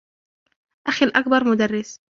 أخي الأكبر مدرس.